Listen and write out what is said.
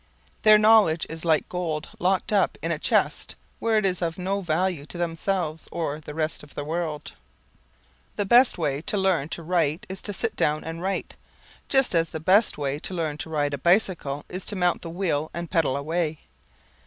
Their knowledge is like gold locked up in a chest where it is of no value to themselves or the rest of the world. The best way to learn to write is to sit down and write, just as the best way how to learn to ride a bicycle is to mount the wheel and pedal away.